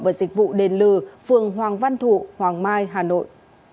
và dịch vụ đền lừ phường hoàng văn thụ hoàng mai hà nội